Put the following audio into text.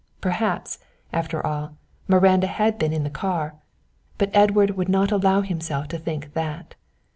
Perhaps, after all, Miranda had been in the car, but Edward would not allow himself to think that.